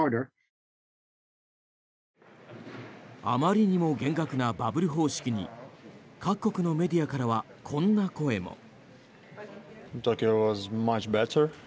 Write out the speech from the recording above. あまりにも厳格なバブル方式に各国のメディアからはこんな声も。